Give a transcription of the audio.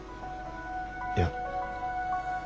いや。